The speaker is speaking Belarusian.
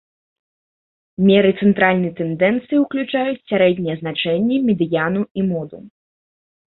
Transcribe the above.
Меры цэнтральнай тэндэнцыі ўключаюць сярэдняе значэнне, медыяну і моду.